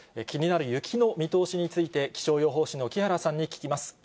気になる雪の見通しについて、気象予報士の木原さんに聞きます。